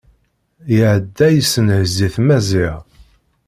Iɛedda yessenhez-it Maziɣ.